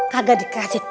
kagak dikacet aku